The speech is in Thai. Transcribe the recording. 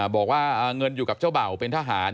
บอกว่าเงินอยู่กับเจ้าเบ่าเป็นทหาร